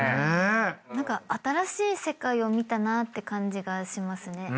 何か新しい世界を見たなって感じがしますね。